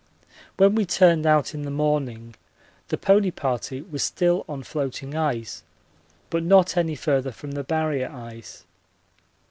When we turned out in the morning the pony party was still on floating ice but not any further from the Barrier ice.